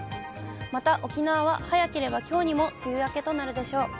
また沖縄は早ければきょうにも梅雨明けとなるでしょう。